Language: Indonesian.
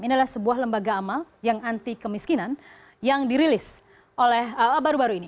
ini adalah sebuah lembaga amal yang anti kemiskinan yang dirilis oleh baru baru ini